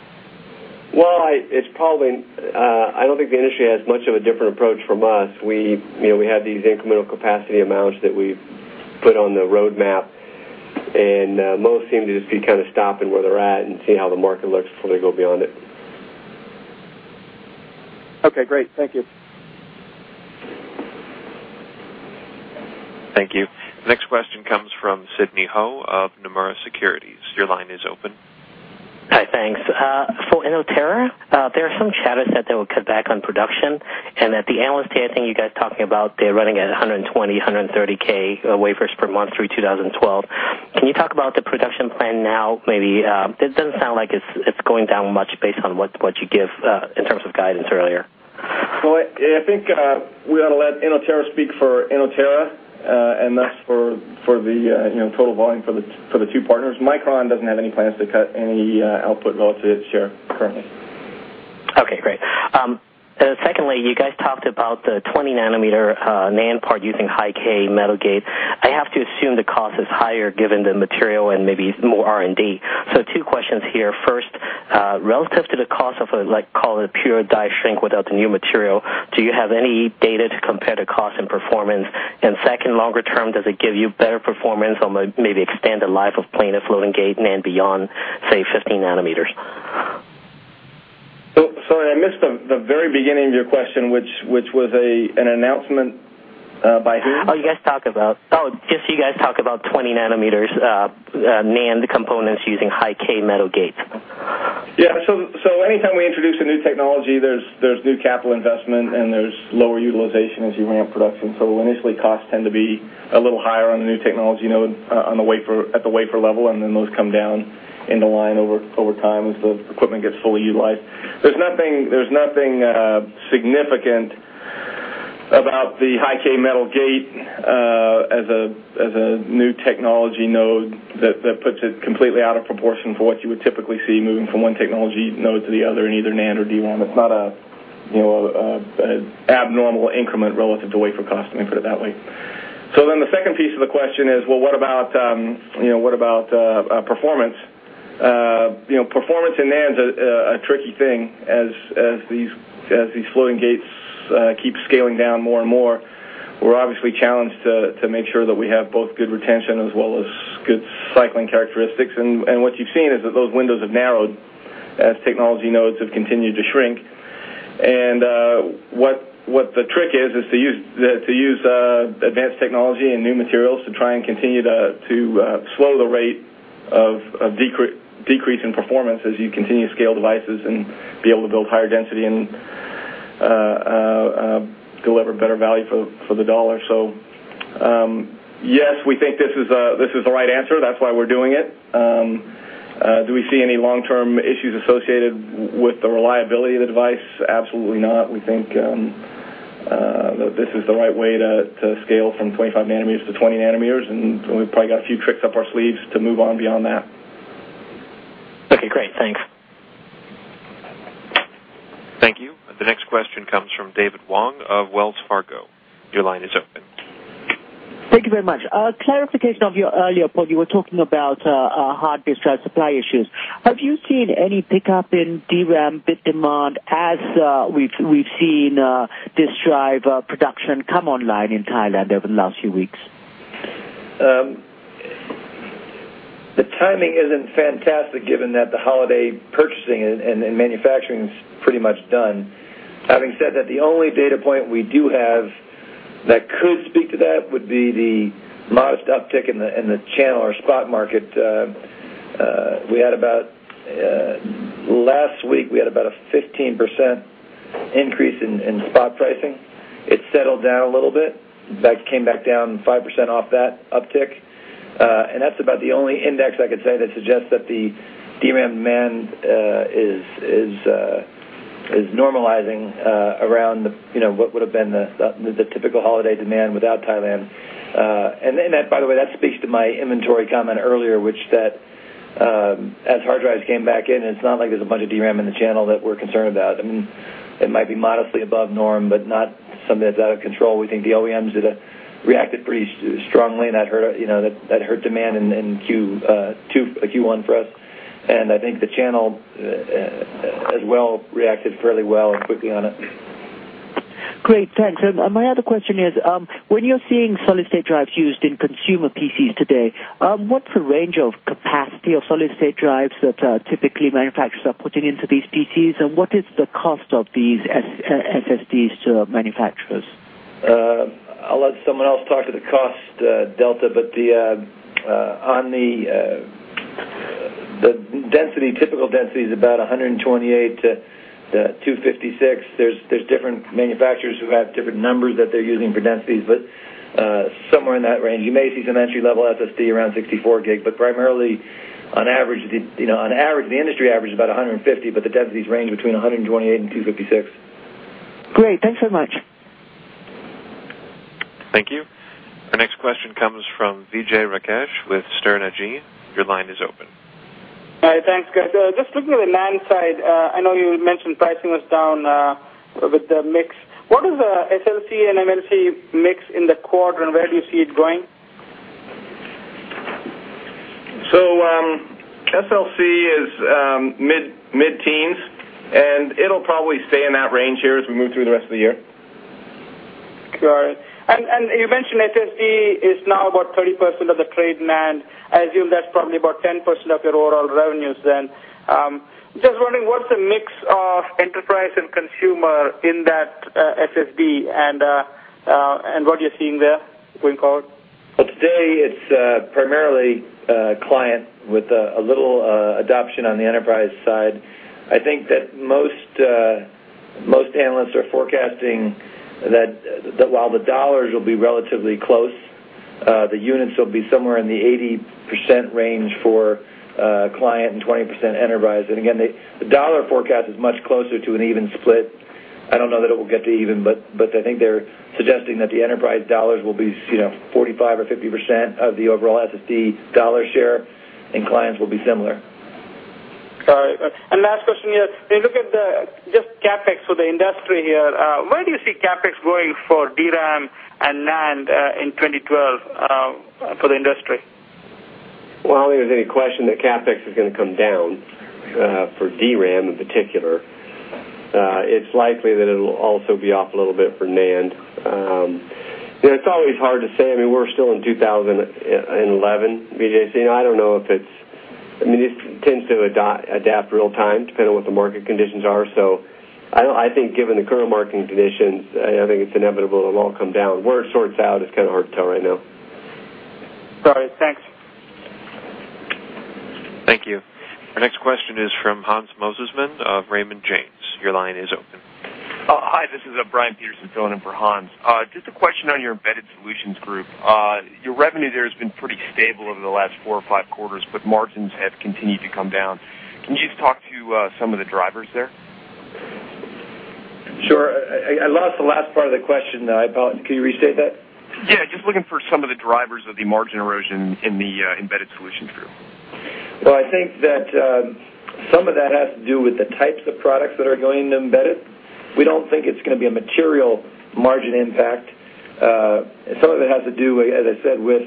I don't think the industry has much of a different approach from us. We have these incremental capacity amounts that we've put on the roadmap, and most seem to just be kind of stopping where they're at and seeing how the market looks before they go beyond it. Okay, great. Thank you. Thank you. The next question comes from Sydney Ho of Numera Securities. Your line is open. Hi, thanks. For Inotera, there are some chatters that they will cut back on production and that the analysts here, I think you guys are talking about they're running at 120,000, 130,000 wafers per month through 2012. Can you talk about the production plan now? Maybe it doesn't sound like it's going down much based on what you give in terms of guidance earlier. I think we ought to let Inotera speak for Inotera and us for the total volume for the two partners. Micron doesn't have any plans to cut any output relative to its share currently. Okay, great. Secondly, you guys talked about the 20 nm NAND part using high-K metal gate. I have to assume the cost is higher given the material and maybe more R&D. Two questions here. First, relative to the cost of a, let's call it a pure die shrink without the new material, do you have any data to compare the cost and performance? Second, longer term, does it give you better performance on the maybe extended life of plain-floating gate and beyond, say, 15 nanometers? Sorry, I missed the very beginning of your question, which was an announcement by. You guys talk about 20 nm NAND components using high-K metal gate. Yeah, anytime we introduce a new technology, there's new capital investment and there's lower utilization as you ramp production. Initially, costs tend to be a little higher on the new technology node at the wafer level, and then those come down in the line over time as the equipment gets fully utilized. There's nothing significant about the high-K metal gate as a new technology node that puts it completely out of proportion for what you would typically see moving from one technology node to the other in either NAND or DRAM. It's not an abnormal increment relative to wafer cost, let me put it that way. The second piece of the question is, what about performance? Performance in NAND is a tricky thing as these floating gates keep scaling down more and more. We're obviously challenged to make sure that we have both good retention as well as good cycling characteristics. What you've seen is that those windows have narrowed as technology nodes have continued to shrink. The trick is to use advanced technology and new materials to try and continue to slow the rate of decrease in performance as you continue to scale devices and be able to build higher density and deliver better value for the dollar. Yes, we think this is the right answer. That's why we're doing it. Do we see any long-term issues associated with the reliability of the device? Absolutely not. We think that this is the right way to scale from 25 nm-20 nm, and we've probably got a few tricks up our sleeves to move on beyond that. Okay, great. Thanks. Thank you. The next question comes from David Wong of Wells Fargo. Your line is open. Thank you very much. Clarification of your earlier point, you were talking about hardware supply issues. Have you seen any pickup in DRAM bit demand as we've seen this drive production come online in Thailand over the last few weeks? The timing isn't fantastic given that the holiday purchasing and manufacturing is pretty much done. Having said that, the only data point we do have that could speak to that would be the modest uptick in the channel or spot market. We had about, last week, we had about a 15% increase in spot pricing. It settled down a little bit. In fact, it came back down 5% off that uptick. That's about the only index I could say that suggests that the DRAM demand is normalizing around, you know, what would have been the typical holiday demand without Thailand. By the way, that speaks to my inventory comment earlier, which said as hard drives came back in, it's not like there's a bunch of DRAM in the channel that we're concerned about. I mean, it might be modestly above norm, but not something that's out of control. We think the OEMs reacted pretty strongly, and that hurt demand in Q1 for us. I think the channel as well reacted fairly well and quickly on it. Great, thanks. My other question is, when you're seeing solid-state drives used in consumer PCs today, what's the range of capacity of solid-state drives that typically manufacturers are putting into these PCs, and what is the cost of these SSDs to manufacturers? I'll let someone else talk to the cost delta, but the density, typical density is about 128GB-256GB. There's different manufacturers who have different numbers that they're using for densities, but somewhere in that range. You may see some entry-level SSD around 64GB, but primarily on average, you know, the industry average is about 150GB, but the densities range between 128GB and 256GB. Great, thanks very much. Thank you. Our next question comes from Vijay Rakesh with Sterne Agee. Your line is open. Hi, thanks, guys. Just looking at the NAND side, I know you mentioned pricing was down with the mix. What is the SLC and MLC mix in the quarter, and where do you see it going? SLC is mid-teens, and it'll probably stay in that range here as we move through the rest of the year. Got it. You mentioned SSD is now about 30% of the trade NAND. I assume that's probably about 10% of your overall revenues then. Just wondering, what's the mix of enterprise and consumer in that SSD, and what are you seeing there going forward? I'd say it's primarily client with a little adoption on the enterprise side. I think that most analysts are forecasting that while the dollars will be relatively close, the units will be somewhere in the 80% range for client and 20% enterprise. The dollar forecast is much closer to an even split. I don't know that it will get to even, but I think they're suggesting that the enterprise dollars will be, you know, 45% or 50% of the overall SSD dollar share, and clients will be similar. Got it. Last question, can you look at just CapEx for the industry here? Where do you see CapEx going for DRAM and NAND in 2012 for the industry? I don't think there's any question that CapEx is going to come down for DRAM in particular. It's likely that it'll also be up a little bit for NAND. It's always hard to say. I mean, we're still in 2011, Vijay. I don't know if it's, I mean, it tends to adapt real-time depending on what the market conditions are. I think given the current marketing conditions, I think it's inevitable it'll all come down. Where it sorts out is kind of hard to tell right now. Got it. Thanks. Thank you. Our next question is from Hans Mosesmann of Raymond James. Your line is open. Hi, this is Brian Peterson filling in for Hans. Just a question on your Embedded Solutions Group. Your revenue there has been pretty stable over the last four or five quarters, but margins have continued to come down. Can you just talk to some of the drivers there? Sure. I lost the last part of the question, though. Can you restate that? Yeah, just looking for some of the drivers of the margin erosion in the Embedded Solutions Group. I think that some of that has to do with the types of products that are going into embedded. We don't think it's going to be a material margin impact. Some of it has to do, as I said, with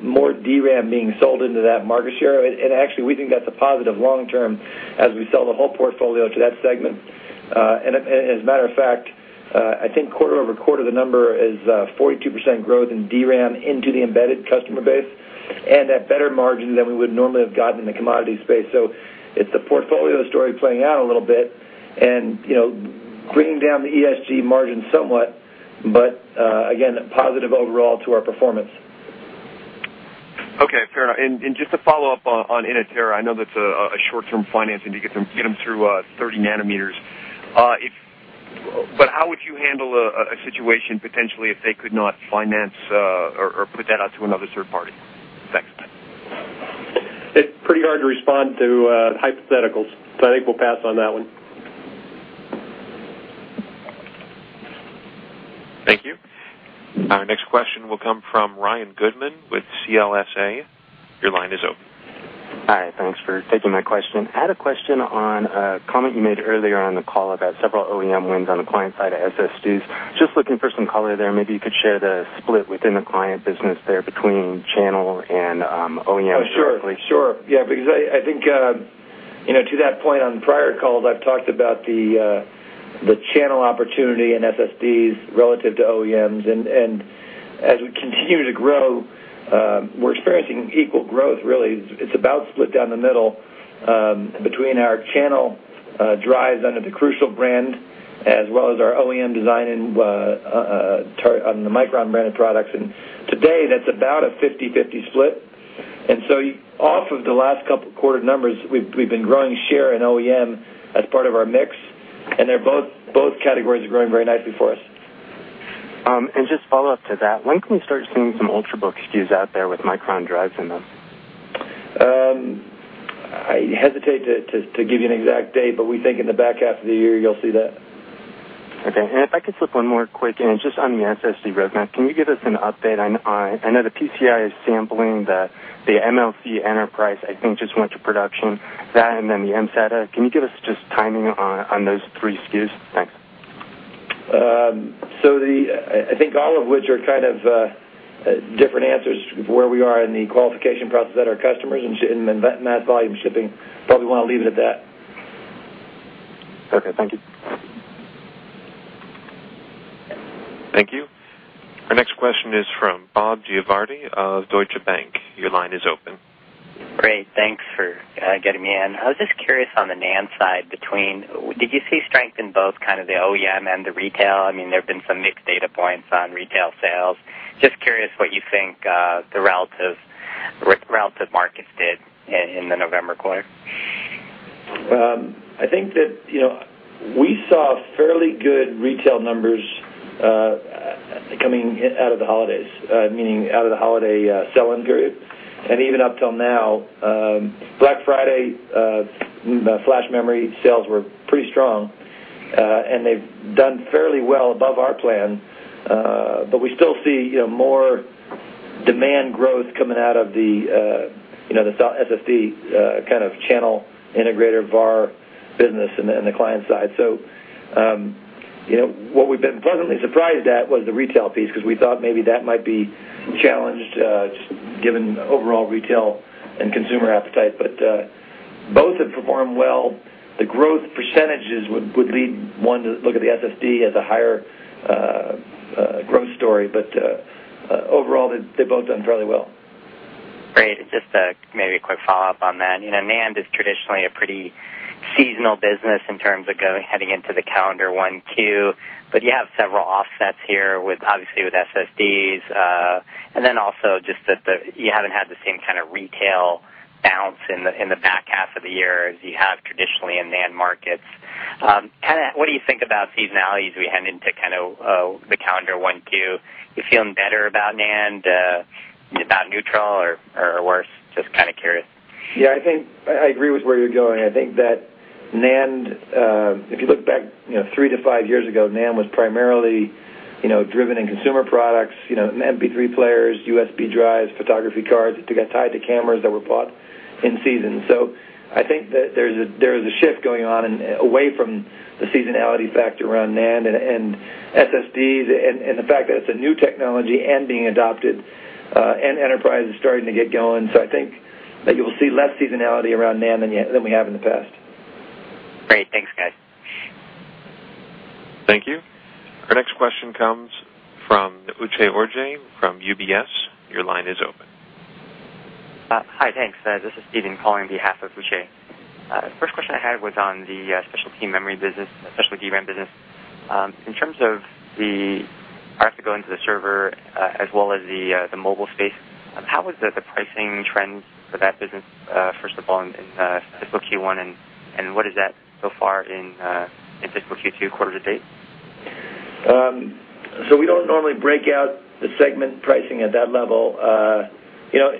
more DRAM being sold into that market share. Actually, we think that's a positive long-term as we sell the whole portfolio to that segment. As a matter of fact, I think quarter over quarter, the number is 42% growth in DRAM into the embedded customer base, and at better margins than we would normally have gotten in the commodity space. It's a portfolio story playing out a little bit, and you know, bringing down the ESG margin somewhat, but again, positive overall to our performance. Okay, fair enough. Just to follow up on Inotera, I know that's a short-term financing to get them through 30 nm. How would you handle a situation potentially if they could not finance or put that out to another third party? It's pretty hard to respond to hypotheticals, so I think we'll pass on that one. Thank you. Our next question will come from Ryan Goodman with CLSA. Your line is open. Hi, thanks for taking my question. I had a question on a comment you made earlier on the call about several OEM wins on the client side of SSDs. Just looking for some color there. Maybe you could share the split within the client business there between channel and OEMs shortly. Sure. Yeah, because I think, you know, to that point on prior calls, I've talked about the channel opportunity in SSDs relative to OEMs. As we continue to grow, we're experiencing equal growth really. It's about split down the middle between our channel drives under the Crucial brand as well as our OEM design on the Micron branded products. Today, that's about a 50/50 split. Off of the last couple of quarter numbers, we've been growing share in OEM as part of our mix, and both categories are growing very nicely for us. Just follow up to that, when can we start seeing some Ultrabook SKUs out there with Micron drives in them? I hesitate to give you an exact date, but we think in the back half of the year you'll see that. Okay. If I could flip one more quick, and it's just on the SSD roadmap, can you give us an update? I know the PCI is sampling, the MLC enterprise I think just went to production, that and then the mSATA. Can you give us just timing on those three SKUs? Thanks. I think all of which are kind of different answers of where we are in the qualification process at our customers and in mass volume shipping, probably want to leave it at that. Okay, thank you. Thank you. Our next question is from Bob Giovardi of Deutsche Bank. Your line is open. Great, thanks for getting me in. I was just curious on the NAND side, did you see strength in both kind of the OEM and the retail? I mean, there have been some mixed data points on retail sales. Just curious what you think the relative markets did in the November quarter. I think that we saw fairly good retail numbers coming out of the holidays, meaning out of the holiday selling period. Even up till now, Black Friday flash memory sales were pretty strong, and they've done fairly well above our plan. We still see more demand growth coming out of the SSD kind of channel integrator VAR business and the client side. What we've been pleasantly surprised at was the retail piece because we thought maybe that might be challenged just given overall retail and consumer appetite. Both have performed well. The growth percentages would lead one to look at the SSD as a higher growth story, but overall, they've both done fairly well. Great. Just maybe a quick follow-up on that. You know, NAND is traditionally a pretty seasonal business in terms of going heading into the calendar one too, but you have several offsets here obviously with SSDs. Also, just that you haven't had the same kind of retail bounce in the back half of the year as you have traditionally in NAND markets. Kind of what do you think about seasonalities as we head into kind of the calendar one too? You feeling better about NAND, about neutral, or worse? Just kind of curious. Yeah, I think I agree with where you're going. I think that NAND, if you look back three to five years ago, was primarily driven in consumer products, you know, MP3 players, USB drives, photography cards that got tied to cameras that were bought in season. I think that there's a shift going on away from the seasonality factor around NAND and SSDs and the fact that it's a new technology and being adopted and enterprise is starting to get going. I think that you'll see less seasonality around NAND than we have in the past. Great, thanks guys. Thank you. Our next question comes from Uche Orji from UBS. Your line is open. Hi, thanks. This is Stephen calling on behalf of Uche. First question I had was on the specialty memory business and especially DRAM business. In terms of the, I have to go into the server as well as the mobile space, how was the pricing trend for that business, first of all, in fiscal Q1, and what is that so far in fiscal Q2 quarter to date? We don't normally break out the segment pricing at that level.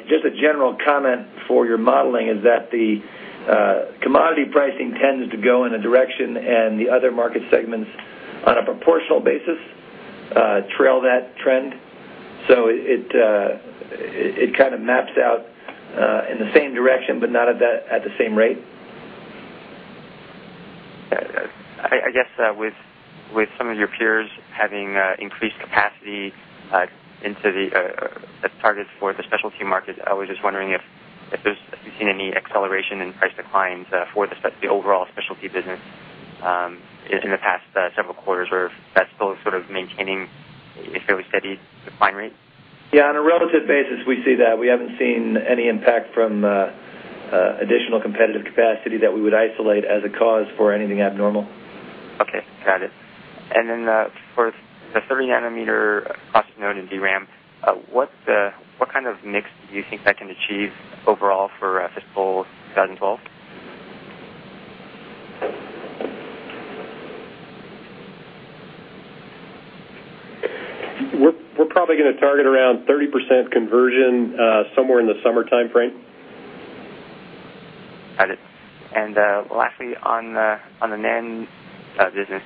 Just a general comment for your modeling is that the commodity pricing tends to go in a direction and the other market segments on a proportional basis trail that trend. It kind of maps out in the same direction, but not at the same rate. With some of your peers having increased capacity as targets for the specialty market, I was just wondering if you've seen any acceleration in price declines for the overall specialty business in the past several quarters or if that's still sort of maintaining a fairly steady decline rate? Yeah, on a relative basis, we see that. We haven't seen any impact from additional competitive capacity that we would isolate as a cause for anything abnormal. Okay, got it. For the 30 nm cost node in DRAM, what kind of mix do you think that can achieve overall for fiscal 2012? We're probably going to target around 30% conversion somewhere in the summer timeframe. Got it. Lastly, on the NAND business,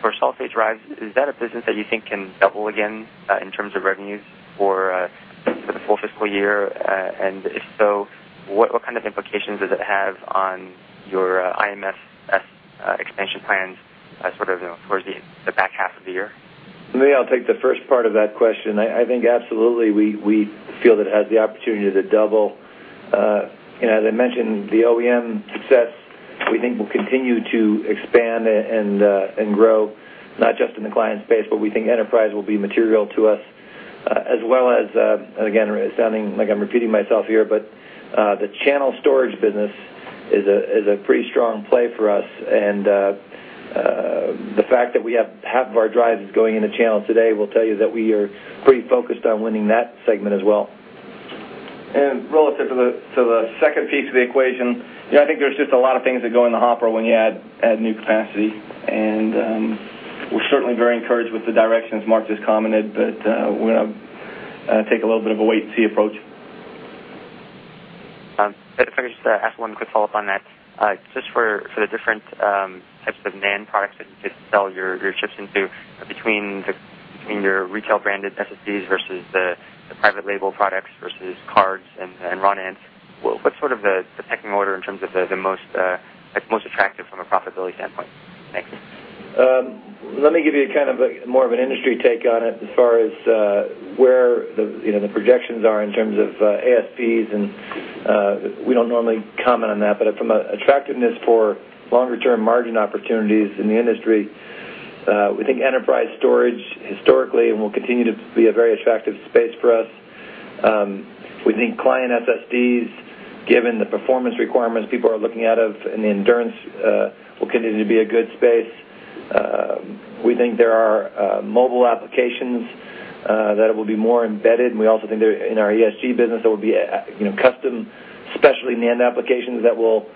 for solid-state drives, is that a business that you think can double again in terms of revenues for the full fiscal year? If so, what kind of implications does it have on your IMFS expansion plans towards the back half of the year? For me, I'll take the first part of that question. I think absolutely we feel that it has the opportunity to double. As I mentioned, the OEM success, we think we'll continue to expand and grow not just in the client space, but we think enterprise will be material to us. As well as, again, sounding like I'm repeating myself here, the channel storage business is a pretty strong play for us. The fact that we have half of our drives going into channel today will tell you that we are pretty focused on winning that segment as well. Relative to the second piece of the equation, I think there's just a lot of things that go in the hopper when you add new capacity. We're certainly very encouraged with the directions Mark has commented, but we're going to take a little bit of a wait-and-see approach. If I could just ask one quick follow-up on that, just for the different types of NAND products that you sell your chips into between your retail branded SSDs versus the private label products versus cards and run-ins, what's sort of the pecking order in terms of the most attractive from a profitability standpoint? Thanks. Let me give you kind of more of an industry take on it as far as where the projections are in terms of ASPs. We don't normally comment on that, but from an attractiveness for longer-term margin opportunities in the industry, we think enterprise storage historically will continue to be a very attractive space for us. We think client SSDs, given the performance requirements people are looking at and the endurance, will continue to be a good space. We think there are mobile applications that will be more embedded. We also think that in our ESG business, there will be custom specialty NAND applications that will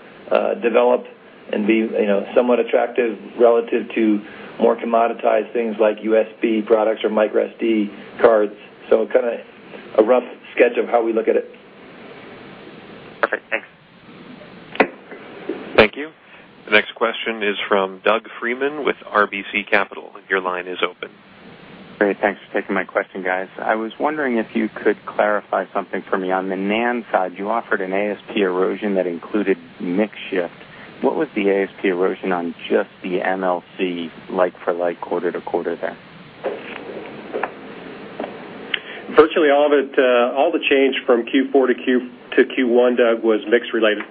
develop and be somewhat attractive relative to more commoditized things like USB products or microSD cards. Kind of a rough sketch of how we look at it. Thanks. Thank you. The next question is from Doug Freeman with RBC Capital. Your line is open. Great, thanks for taking my question, guys. I was wondering if you could clarify something for me on the NAND side. You offered an ASP erosion that included mix shift. What was the ASP erosion on just the MLC like for like quarter to quarter there? Virtually all the change from Q4 to Q1, Doug, was mix related.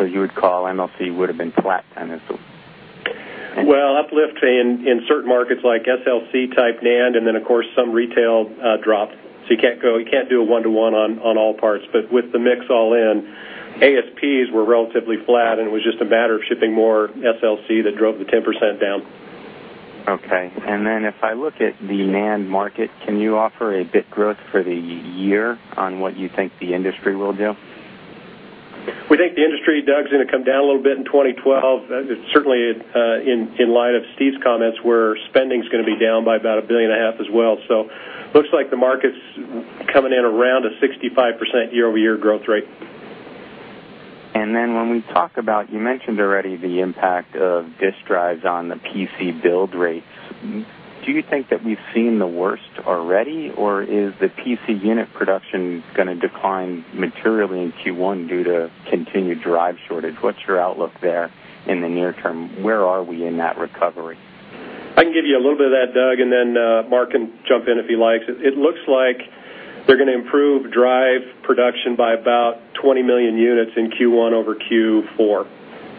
You would call MLC would have been flat then as the... Uplift in certain markets like SLC type NAND, and then of course some retail dropped. You can't do a one-to-one on all parts. With the mix all in, ASPs were relatively flat, and it was just a matter of shipping more SLC that drove the 10% down. Okay. If I look at the NAND market, can you offer a bit growth for the year on what you think the industry will do? We think the industry, Doug, is going to come down a little bit in 2012. Certainly, in light of Steve's comments, where spending is going to be down by about $1.5 billion as well. It looks like the market's coming in around a 65% year-over-year growth rate. When we talk about, you mentioned already the impact of disk drives on the PC build rates, do you think that we've seen the worst already, or is the PC unit production going to decline materially in Q1 due to continued drive shortage? What's your outlook there in the near term? Where are we in that recovery? I can give you a little bit of that, Doug, and then Mark can jump in if he likes. It looks like they're going to improve drive production by about 20 million units in Q1 over Q4.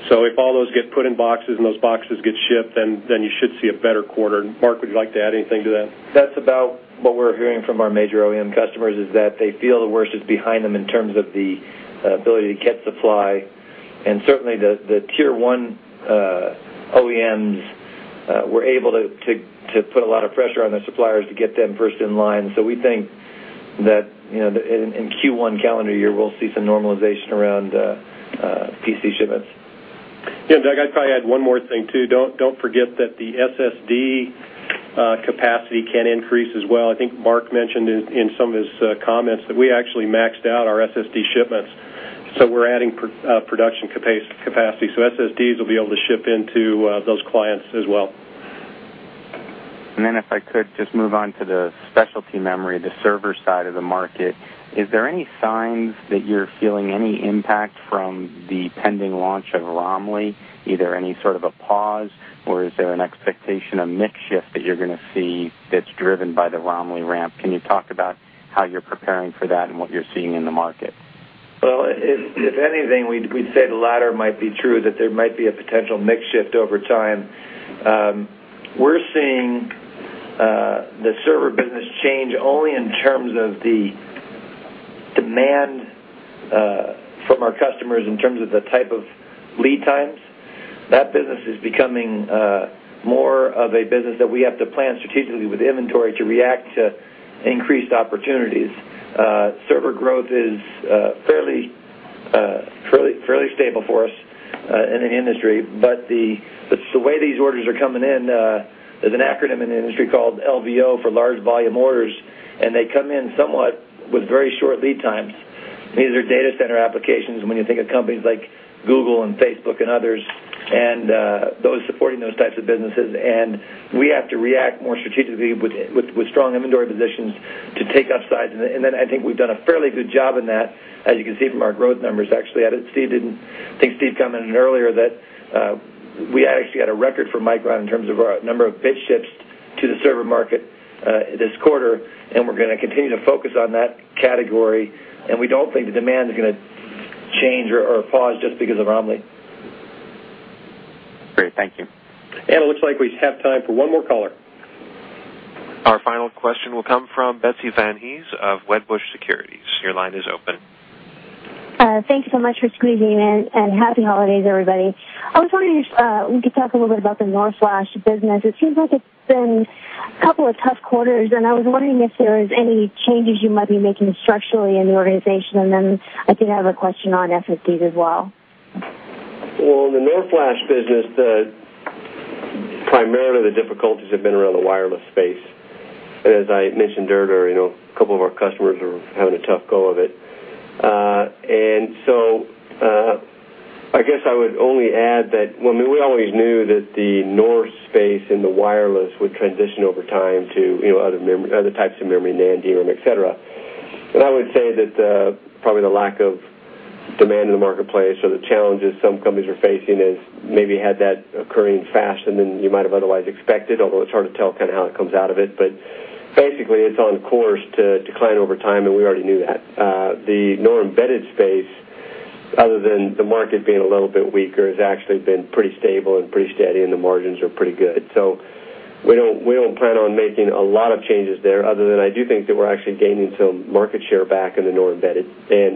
If all those get put in boxes and those boxes get shipped, then you should see a better quarter. Mark, would you like to add anything to that? That's about what we're hearing from our major OEM customers is that they feel the worst is behind them in terms of the ability to get supply. Certainly, the tier one OEMs were able to put a lot of pressure on their suppliers to get them first in line. We think that in Q1 calendar year, we'll see some normalization around PC shipments. Yeah, Doug, I'd probably add one more thing too. Don't forget that the SSD capacity can increase as well. I think Mark mentioned in some of his comments that we actually maxed out our SSD shipments. We're adding production capacity. SSDs will be able to ship into those clients as well. If I could just move on to the specialty memory, the server side of the market, is there any signs that you're feeling any impact from the pending launch of Romley, either any sort of a pause, or is there an expectation of mix shift that you're going to see that's driven by the Romley ramp? Can you talk about how you're preparing for that and what you're seeing in the market? If anything, we'd say the latter might be true, that there might be a potential mix shift over time. We're seeing the server business change only in terms of the demand from our customers in terms of the type of lead times. That business is becoming more of a business that we have to plan strategically with inventory to react to increased opportunities. Server growth is fairly stable for us in the industry, but the way these orders are coming in, there's an acronym in the industry called LVO for large volume orders, and they come in somewhat with very short lead times. These are data center applications when you think of companies like Google and Facebook and others, and those supporting those types of businesses. We have to react more strategically with strong inventory positions to take up sides. I think we've done a fairly good job in that, as you can see from our growth numbers actually. I think Steve commented earlier that we actually had a record for Micron Technology in terms of our number of pitch ships to the server market this quarter, and we're going to continue to focus on that category. We don't think the demand is going to change or pause just because of Romley. Great, thank you. It looks like we have time for one more caller. Our final question will come from Betsy Van Hees of Wedbush Securities. Your line is open. Thank you so much for squeezing in, and happy holidays, everybody. I was wondering if we could talk a little bit about the NAND business. It seems like it's been a couple of tough quarters, and I was wondering if there are any changes you might be making structurally in the organization. I did have a question on SSDs as well. In the NOR flash business, primarily the difficulties have been around the wireless space. As I mentioned earlier, a couple of our customers are having a tough go of it. I would only add that we always knew that the NOR space and the wireless would transition over time to other types of memory, NAND, eRAM, etc. I would say that probably the lack of demand in the marketplace or the challenges some companies are facing has maybe had that occurring faster than you might have otherwise expected, although it's hard to tell kind of how it comes out of it. Basically, it's on course to decline over time, and we already knew that. The non-embedded space, other than the market being a little bit weaker, has actually been pretty stable and pretty steady, and the margins are pretty good. We don't plan on making a lot of changes there, other than I do think that we're actually gaining some market share back in the non-embedded.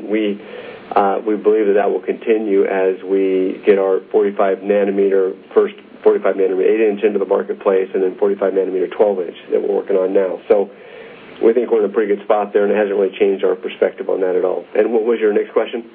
We believe that that will continue as we get our 45 nm, first 45 nm 8-inch into the marketplace, and then 45 nm 12-inch that we're working on now. We think we're in a pretty good spot there, and it hasn't really changed our perspective on that at all. What was your next question?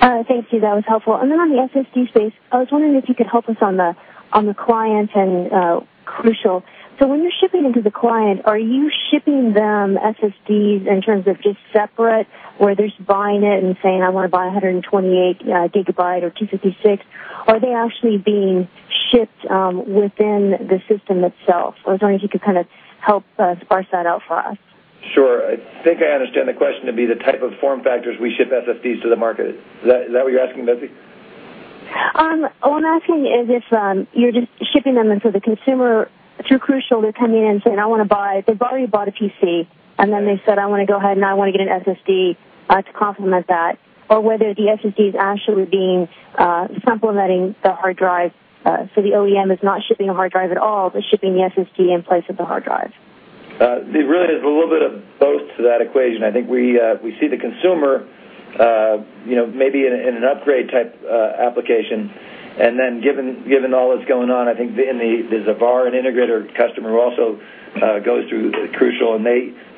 Thank you, that was helpful. On the SSD space, I was wondering if you could help us on the client and Crucial. When you're shipping into the client, are you shipping them SSDs in terms of just separate where they're just buying it and saying, "I want to buy 128GB or 256GB"? Are they actually being shipped within the system itself? I was wondering if you could kind of help sparse that out for us. Sure. I think I understand the question to be the type of form factors we ship SSDs to the market. Is that what you're asking, Betsy? I'm asking if you're just shipping them in for the consumer through Crucial, they're coming in and saying, "I want to buy." They've already bought a PC, and then they said, "I want to go ahead and I want to get an SSD to complement that." Or whether the SSD is actually supplementing the hard drive so the OEM is not shipping a hard drive at all, but shipping the SSD in place of the hard drive. It really is a little bit of both to that equation. I think we see the consumer, you know, maybe in an upgrade type application. Then, given all that's going on, I think the integrator and VAR customer who also goes through Crucial, and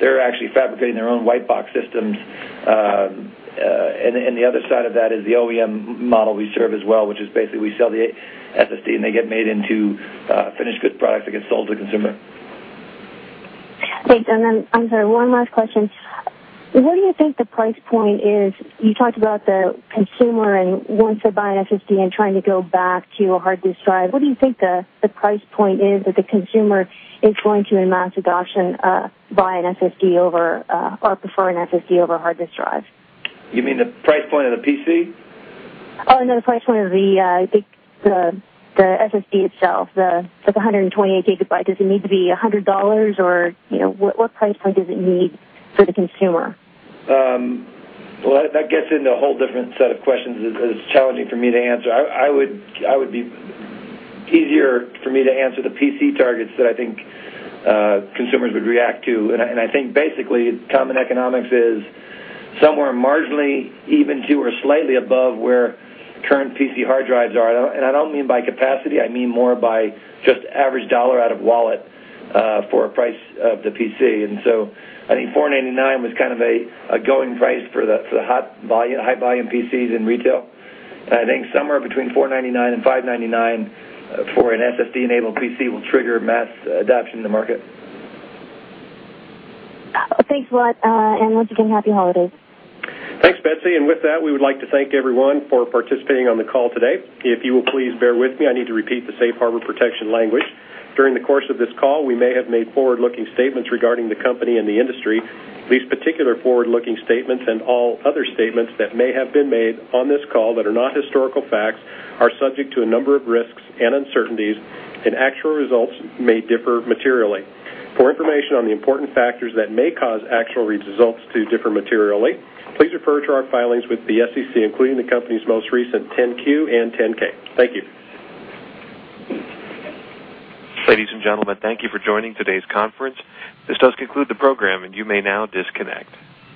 they're actually fabricating their own white box systems. The other side of that is the OEM model we serve as well, which is basically we sell the SSD and they get made into finished goods products that get sold to the consumer. Thank you. I'm sorry, one last question. What do you think the price point is? You talked about the consumer wants to buy an SSD and trying to go back to a hard disk drive. What do you think the price point is that the consumer is going to, in mass adoption, buy an SSD over or prefer an SSD over a hard disk drive? You mean the price point of the PC? Oh, no, the price point of the SSD itself. The 128GB, does it need to be $100 or, you know, what price point does it need for the consumer? That gets into a whole different set of questions that is challenging for me to answer. It would be easier for me to answer the PC targets that I think consumers would react to. I think basically common economics is somewhere marginally even to or slightly above where current PC hard drives are. I don't mean by capacity, I mean more by just average dollar out of wallet for a price of the PC. I think $499 was kind of a going price for the high volume PCs in retail. I think somewhere between $499 and $599 for an SSD-enabled PC will trigger mass adoption in the market. Thanks, Ron. Once again, happy holidays. Thanks, Betsy. With that, we would like to thank everyone for participating on the call today. If you will please bear with me, I need to repeat the safe harbor protection language. During the course of this call, we may have made forward-looking statements regarding the company and the industry. These particular forward-looking statements and all other statements that may have been made on this call that are not historical facts are subject to a number of risks and uncertainties, and actual results may differ materially. For information on the important factors that may cause actual results to differ materially, please refer to our filings with the SEC, including the company's most recent 10-Q and 10-K. Thank you. Ladies and gentlemen, thank you for joining today's conference. This does conclude the program, and you may now disconnect.